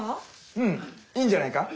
うんいいんじゃないか。